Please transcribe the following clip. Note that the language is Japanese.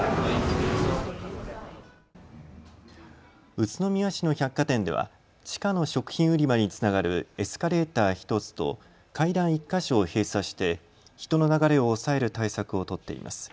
宇都宮市の百貨店では地下の食品売り場につながるエスカレーター１つと階段１か所を閉鎖して人の流れを抑える対策を取っています。